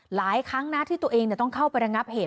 หลายครั้งนะที่ตัวเองต้องเข้าไประงับเหตุ